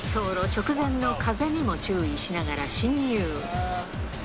滑走路直前の風にも注意しながら進入。